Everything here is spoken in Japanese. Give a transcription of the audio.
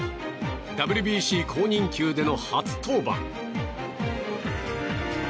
ＷＢＣ公認球での初登板。